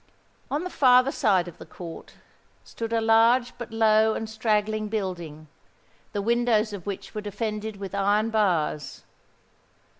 On the farther side of the court stood a large but low and straggling building, the windows of which were defended with iron bars.